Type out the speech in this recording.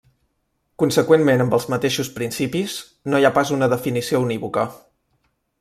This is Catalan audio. Conseqüentment amb els mateixos principis, no hi ha pas una definició unívoca.